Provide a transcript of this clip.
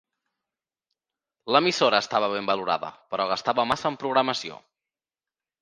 L'emissora estava ben valorada, però gastava massa en programació.